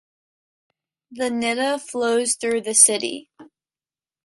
The Nidda flows through the city.